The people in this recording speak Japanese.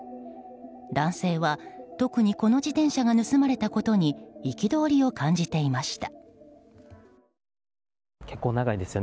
男性は、特にこの自転車が盗まれたことに憤りを感じていました。